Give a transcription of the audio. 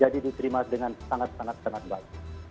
jadi diterima dengan sangat sangat baik